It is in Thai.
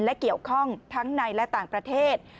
และเกี่ยวข้องทั้งในและต่างประเทศ